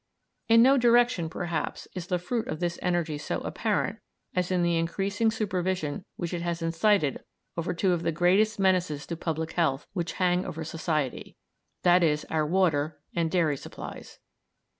In no direction, perhaps, is the fruit of this energy so apparent as in the increasing supervision which it has incited over two of the greatest menaces to public health which hang over society i.e. our water and dairy supplies.